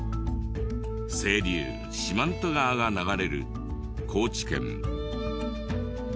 清流四万十川が流れる高知県。